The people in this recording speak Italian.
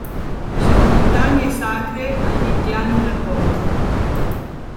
Sono montagne sacre agli indiani Lakota.